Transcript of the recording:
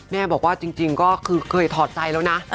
แม่บอกว่าจริงก็คือเคยถอดใจแล้วนะ